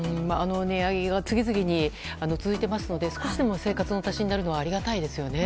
値上げが次々に続いていますので少しでも生活の足しになればありがたいですよね。